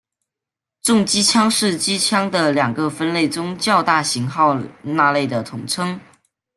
重机枪是机枪的两个分类中较大型号那类的统称。